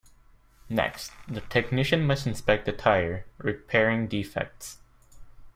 Next, the technician must inspect the tire, repairing defects.